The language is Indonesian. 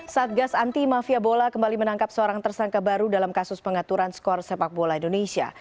satgas anti mafia bola kembali menangkap seorang tersangka baru dalam kasus pengaturan skor sepak bola indonesia